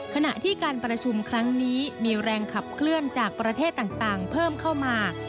ขณะที่การประชุมครั้งนี้มีแรงขับเคลื่อนจากประเทศต่างเพิ่มเข้ามา